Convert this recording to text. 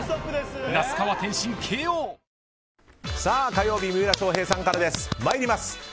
火曜日、三浦翔平さんからです。